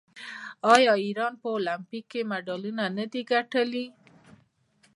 آیا ایران په المپیک کې مډالونه نه ګټي؟